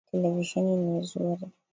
Televisheni ni nzuri.